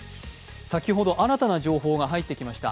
先ほど新たな情報が入ってきました。